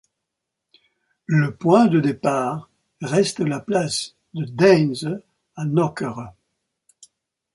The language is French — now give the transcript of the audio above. Le point de départ reste la place de Deinze à Nokere.